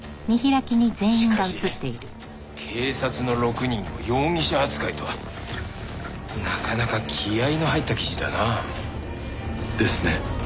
しかし警察の６人を容疑者扱いとはなかなか気合の入った記事だな。ですね。